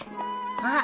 あっ！